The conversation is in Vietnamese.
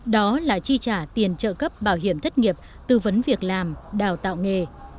đó là chi trả tiền trợ cấp bảo hiểm thất nghiệp tư vấn việc làm đào tạo nghề